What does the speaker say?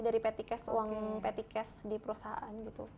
dari petty cash uang petty cash di perusahaan